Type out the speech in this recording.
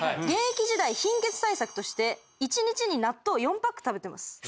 現役時代貧血対策として１日に納豆を４パック食べてます。